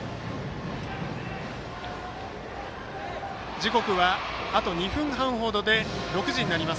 時刻はあと２分半ほどで６時になります。